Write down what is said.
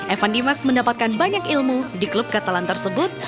evan dimas mendapatkan banyak ilmu di klub katalan tersebut